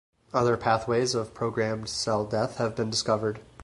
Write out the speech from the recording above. Other pathways of programmed cell death have been discovered.